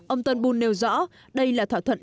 ông turnbull nêu rõ đây là thỏa thuận